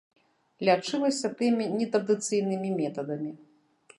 Лячылася тымі нетрадыцыйнымі метадамі.